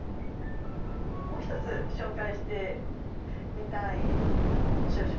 もう一つ紹介してみたい面白い植物があります。